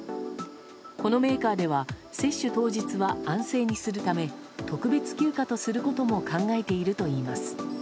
このメーカーでは接種当日は安静にするため特別休暇とすることも考えているといいます。